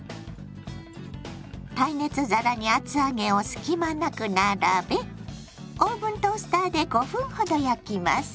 耐熱皿に厚揚げを隙間なく並べオーブントースターで５分ほど焼きます。